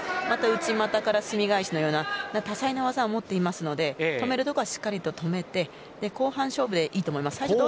内股から隅返のような多彩な技を持っていますので止めるところはしっかりと止めて後半勝負でいいと思います。